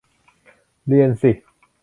เรียนสิ